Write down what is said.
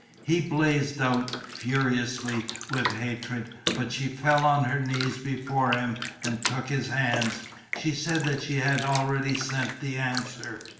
He blazed out, furiously, with hatred; but she fell on her knees before him and took his hands. She said that she had already sent the answer.